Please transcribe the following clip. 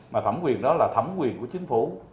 mà thẩm quyền đó là thẩm quyền của chính phủ